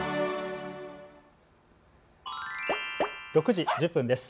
６時１０分です。